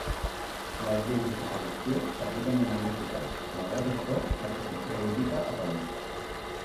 Les lleis anticorrupció s'apliquen de manera eficaç, malgrat això, la corrupció política apareix.